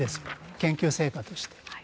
研究成果として。